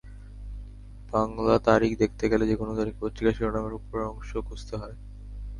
বাংলা তারিখ দেখতে গেলে যেকোনো দৈনিক পত্রিকার শিরোনামের ওপরের অংশে খুঁজতে হয়।